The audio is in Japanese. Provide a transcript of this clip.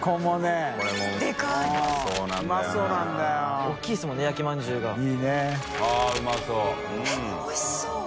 えっおいしそう！